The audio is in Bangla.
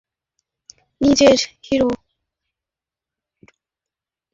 সবাই এই ছেলেকে নিজের হিরো মানত।